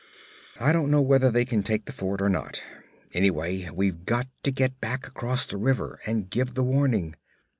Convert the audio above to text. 'I don't know whether they can take the fort or not. Anyway, we've got to get back across the river and give the warning.